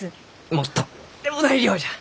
もうとんでもない量じゃ！